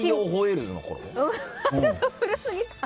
ちょっと古すぎた？